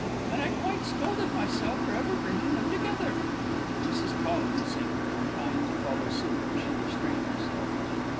And I quite scolded myself for ever bringing them together!" Mrs. Collum seemed inclined to follow suit, but she restrained herself.